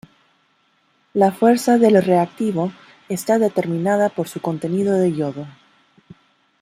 La fuerza del reactivo está determinada por su contenido de iodo.